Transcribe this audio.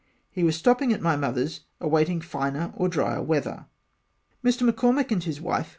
he was stopping at my Mother's awaiting finer or dryer weather Mr. McCormack and his wife.